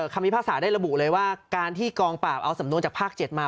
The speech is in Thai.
พิพากษาได้ระบุเลยว่าการที่กองปราบเอาสำนวนจากภาค๗มา